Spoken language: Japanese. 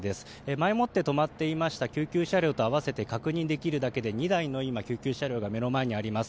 前もって止まっていました救急車両と合わせて確認できるだけで２台の今、救急車両が目の前にあります。